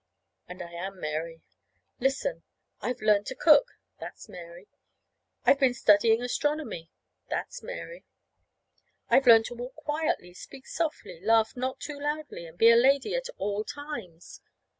And I am Mary. Listen: I've learned to cook. That's Mary. I've been studying astronomy. That's Mary. I've learned to walk quietly, speak softly, laugh not too loudly, and be a lady at all times.